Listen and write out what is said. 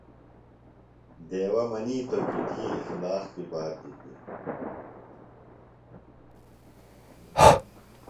دیوہ منیتو کی تھی اخلاق کیۡ بات دِتیۡ۔